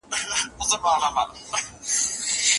ماشومان له نوو تجربو سره اشنا کېږي.